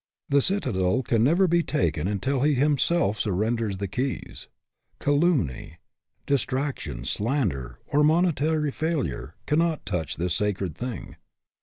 The citadel can never be taken until he him self surrenders the keys. Calumny, detrac tion, slander, or monetary failure cannot touch this sacred thing.